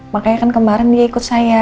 makanya kan kemarin dia ikut saya